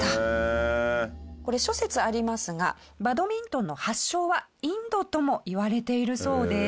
これ諸説ありますがバドミントンの発祥はインドともいわれているそうです。